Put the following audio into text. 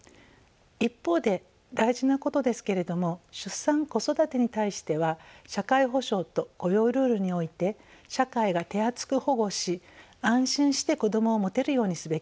一方で大事なことですけれども出産子育てに対しては社会保障と雇用ルールにおいて社会が手厚く保護し安心して子どもを持てるようにすべきです。